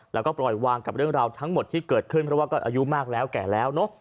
แล้วก็ปล่อยวางกับเรื่องราวทั้งหมดที่เกิดขึ้นเพราะว่าก็อายุมากแล้วแก่แล้วเนอะ